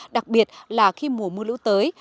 đặc biệt là khi mùa mưa lũ tới